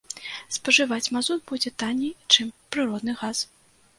Спажываць мазут будзе танней, чым прыродны газ.